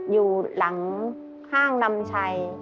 อยู่หลังห้างนำชัย